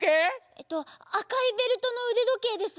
えっとあかいベルトのうでどけいです。